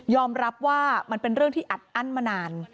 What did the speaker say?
รับว่ามันเป็นเรื่องที่อัดอั้นมานาน